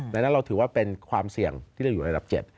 ดังนั้นเราถือว่าเป็นความเสี่ยงที่เราอยู่ในระดับ๗